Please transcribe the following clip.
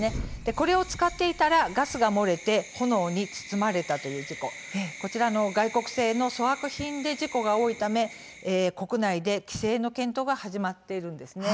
これを使っていたらガスが漏れて炎に包まれたという事故外国製の粗悪品で事故が多いため国内で規制の検討が始まっているんです。